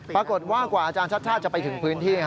ปรากฏว่ากว่าอาจารย์ชัดชาติจะไปถึงพื้นที่